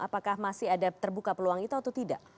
apakah masih ada terbuka peluang itu atau tidak